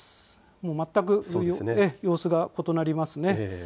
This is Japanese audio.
もう全く様子が異なりますね。